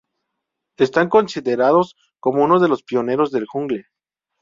Están considerados como uno de los pioneros del jungle.